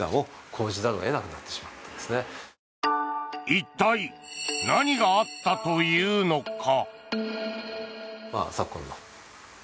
一体、何があったというのか。